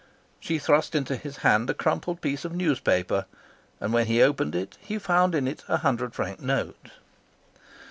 She thrust into his hand a crumpled piece of newspaper, and when he opened it he found in it a hundred franc note.